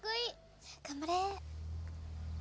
頑張れ。